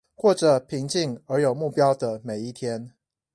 過著平靜而有目標的每一天